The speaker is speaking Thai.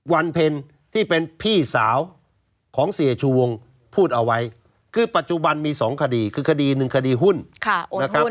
วันเพ็ญที่เป็นพี่สาวของเสียชูวงพูดเอาไว้คือปัจจุบันมี๒คดีคือคดีหนึ่งคดีหุ้นนะครับ